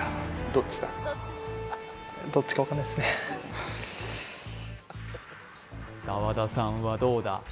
なし澤田さんはどうだ？